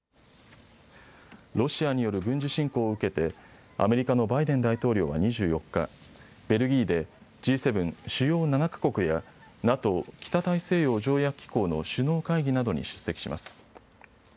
ロシアによる軍事侵攻を受けてアメリカのバイデン大統領は２４日、ベルギーでＧ７・主要７か国やＮＡＴＯ・北大西洋条約機構の首脳会議などに出席します。